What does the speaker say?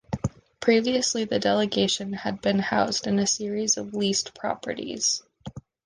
Previously the delegation had been housed in a series of leased properties.